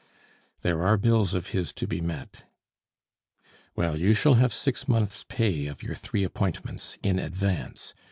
"There are bills of his to be met." "Well, you shall have six months' pay of your three appointments in advance.